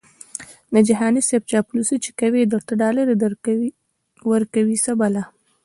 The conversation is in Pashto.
د جهاني صیب چاپلوسي چې کوي درته ډالري ورکوي څه بلا🤑🤣